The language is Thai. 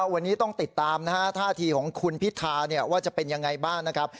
วันนี้ต้องติดตามนะฮะท่าทีของคุณพิธาว่าจะเป็นยังไงบ้างนะครับ